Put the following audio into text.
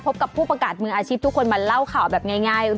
พบกับผู้ประกาศมืออาชีพทุกคนมาเล่าข่าวแบบง่าย